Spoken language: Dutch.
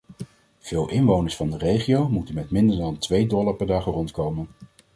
Veel inwoners van de regio moeten met minder dan twee dollar per dag rondkomen.